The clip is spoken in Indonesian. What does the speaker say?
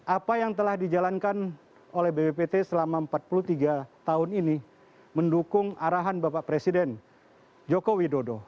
apa yang telah dijalankan oleh bppt selama empat puluh tiga tahun ini mendukung arahan bapak presiden joko widodo